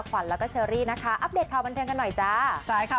ขวัญแล้วก็เชอรี่นะคะอัปเดตข่าวบันเทิงกันหน่อยจ้าใช่ค่ะ